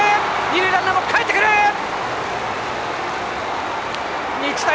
二塁ランナーもかえってきた！